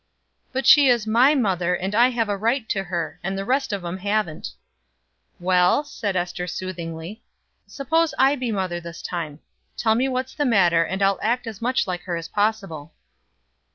"But she is my mother, and I have a right to her, and the rest of 'em haven't." "Well," said Ester, soothingly, "suppose I be mother this time. Tell me what's the matter and I'll act as much like her as possible."